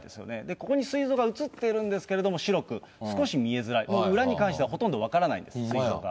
ここにすい臓が写っているんですけれども、白く、少し見えづらい、裏に関してはほとんど分からないです、すい臓が。